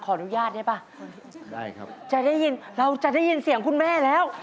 อนุญาตได้ป่ะได้ครับจะได้ยินเราจะได้ยินเสียงคุณแม่แล้ว